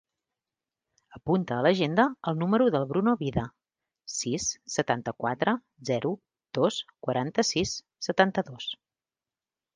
Apunta a l'agenda el número del Bruno Vida: sis, setanta-quatre, zero, dos, quaranta-sis, setanta-dos.